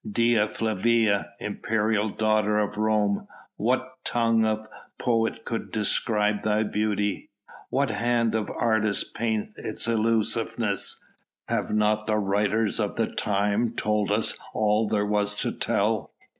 Dea Flavia, imperial daughter of Rome, what tongue of poet could describe thy beauty? what hand of artist paint its elusiveness? Have not the writers of the time told us all there was to tell?